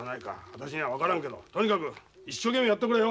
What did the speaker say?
私には分からんけどとにかく一生懸命やってくれよ。